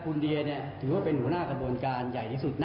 คุณเดียก็ถือเป็นหัวหน้ากบลการใหญ่ที่สุด